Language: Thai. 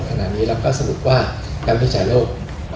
ขนาดนี้เราก็สรุปว่าการไม่มีที่ใช้โรค